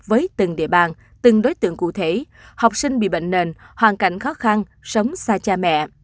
với từng địa bàn từng đối tượng cụ thể học sinh bị bệnh nền hoàn cảnh khó khăn sống xa cha mẹ